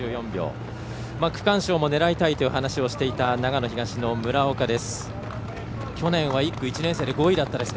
区間賞も狙いたいという話をしていた長野東の村岡です。